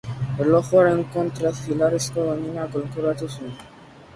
Erlojuaren kontra zilarrezko domina kolkoratu zuen.